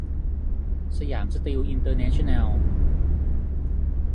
สยามสตีลอินเตอร์เนชั่นแนล